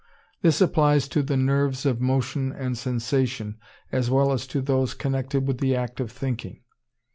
This applies to the nerves of motion and sensation, as well as to those connected with the act of thinking.